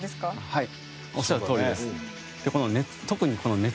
はい。